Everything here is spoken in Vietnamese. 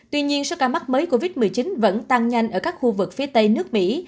tuy nhiên số ca mắc mới covid một mươi chín vẫn tăng nhanh ở các khu vực phía tây nước mỹ